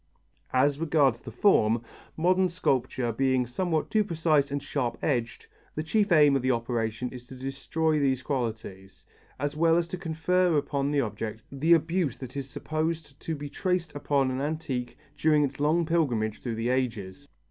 As regards the form, modern sculpture being somewhat too precise and sharp edged, the chief aim of the operation is to destroy these qualities, as well as to confer upon the object the abuse that is supposed to be traced upon an antique during its long pilgrimage through the ages.